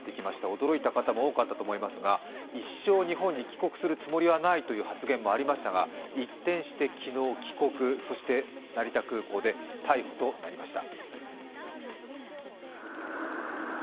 驚いた方も多かったと思いますが一生、日本に帰国するつもりはないという発言もありましたが一転して昨日、帰国そして成田空港で逮捕となりました。